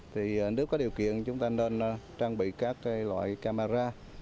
thì nếu có điều kiện chúng ta nên trang bị các loại camera